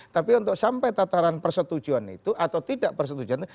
tapi untuk sampai tataran persetujuan itu atau tidak persetujuan itu